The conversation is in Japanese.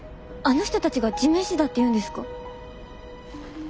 あの人たちが地面師だって言うんですか？